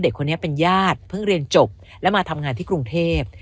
เด็กคนนี้เป็นญาติเพิ่งเรียนจบและมาทำงานที่กรุงเทพ